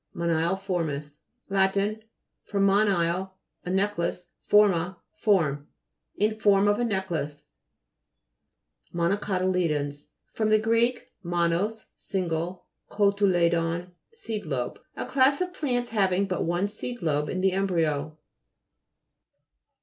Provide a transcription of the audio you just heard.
MONILEFO'RMIS lat. fr. monile, a necklace, forma, form. In form of a necklace. MO'XOCOTY'LEDONS fr. gr. tnonos, single, kotuledon, seed lobe. A class of plants having but one seed lobe in the embryo.